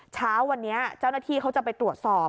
เช้าวันนี้เจ้าหน้าที่เขาจะไปตรวจสอบ